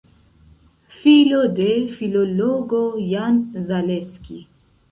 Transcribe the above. Filo de filologo Jan Zaleski.